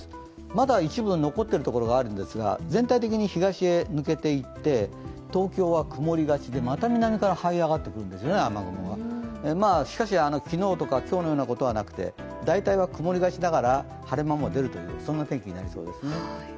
まだ一部、残ってるところはあるんですが全体的に東へ抜けていって東京は曇りがちでまた南からはい上がってくるんですよね、雨雲がしかし昨日とか今日のようなことはなくて大体は曇りがちながら晴れ間も出るという天気になりそうですね。